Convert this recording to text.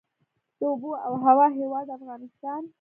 د اوبو او هوا هیواد افغانستان.